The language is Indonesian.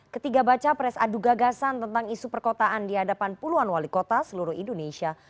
ketiga baca pres adu gagasan tentang isu perkotaan di hadapan puluhan wali kota seluruh indonesia